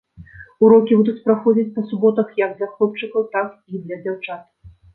Урокі будуць праходзіць па суботах як для хлопчыкаў, так і для дзяўчат.